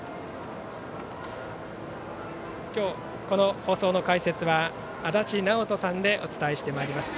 今日、この放送の解説は足達尚人さんでお伝えしてまいります。